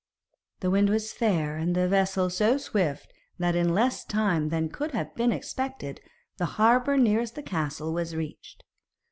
The wind was fair and the vessel so swift that, in less time than could have been expected, the harbour nearest the castle was reached.